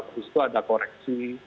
lalu setelah ada koreksi